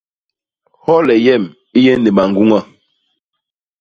Hyole yem i yé ni bañguña.